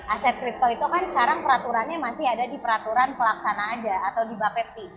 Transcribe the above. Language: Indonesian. aset kripto itu kan sekarang peraturannya masih ada di peraturan pelaksana aja atau di bapepti